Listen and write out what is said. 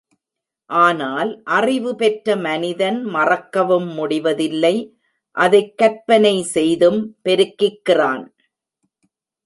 ஆனால், அறிவு பெற்ற மனிதன் மறக்கவும் முடிவதில்லை அதைக் கற்பனை செய்தும் பெருக்கிக் கிறான்.